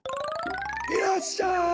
いらっしゃい。